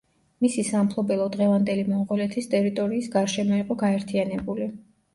მისი სამფლობელო დღევანდელი მონღოლეთის ტერიტორიის გარშემო იყო გაერთიანებული.